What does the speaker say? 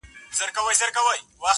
د ښکلي شمعي له انګار سره مي نه لګیږي!